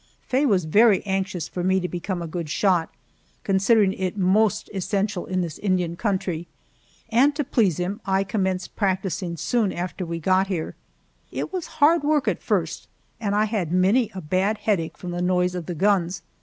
Faye was very anxious for me to become a good shot, considering it most essential in this Indian country, and to please him I commenced practicing soon after we got here. It was hard work at first, and I had many a bad headache from the noise of the guns.